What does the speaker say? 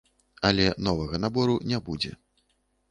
Але новага набору не будзе.